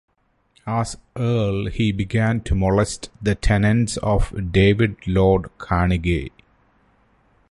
As earl he began to molest the tenants of David Lord Carnegie.